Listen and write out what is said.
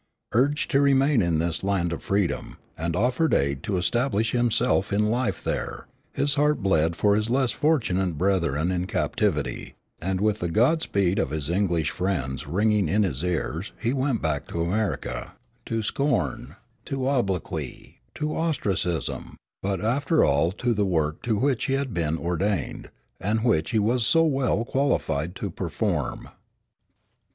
Urged to remain in this land of freedom, and offered aid to establish himself in life there, his heart bled for his less fortunate brethren in captivity; and, with the God speed of his English friends ringing in his ears, he went back to America, to scorn, to obloquy, to ostracism, but after all to the work to which he had been ordained, and which he was so well qualified to perform.